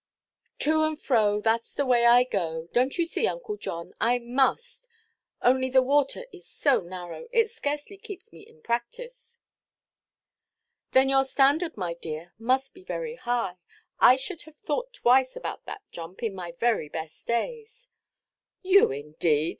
"To and fro, thatʼs the way I go; donʼt you see, Uncle John, I must; only the water is so narrow. It scarcely keeps me in practice." "Then your standard, my dear, must be very high. I should have thought twice about that jump, in my very best days!" "You indeed!"